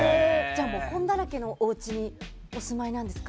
本だらけのおうちにお住まいなんですか？